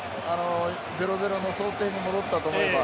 ０−０の想定に戻ったと思えば。